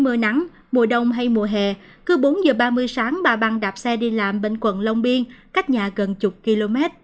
mưa nắng mùa đông hay mùa hè cứ bốn h ba mươi sáng bà băng đạp xe đi làm bên quận long biên cách nhà gần chục km